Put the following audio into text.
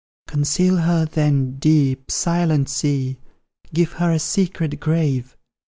"Conceal her, then, deep, silent sea, Give her a secret grave!